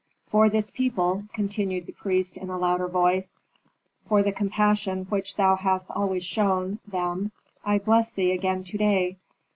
"For this people," continued the priest in a louder voice, "for the compassion which thou hast always shown them I bless thee again to day.